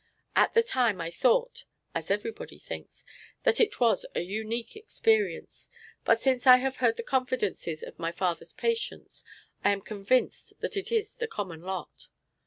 At the time I thought (as everybody thinks) that it was a unique experience; but since I have heard the confidences of my father's patients I am convinced that it is the common lot.